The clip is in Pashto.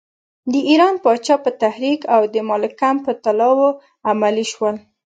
د ایران پاچا په تحریک او د مالکم په طلاوو عملی شول.